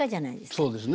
そうですね。